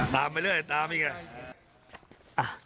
ตามไปเรื่อยตามไปเรื่อย